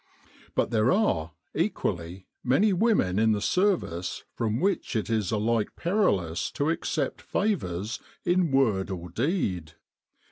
But there are, equally, many women in the Service from which it is alike perilous to accept favours in word or in deed.